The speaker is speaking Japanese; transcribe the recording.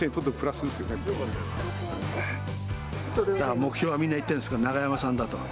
目標はみんな言ってるんです、永山さんだと。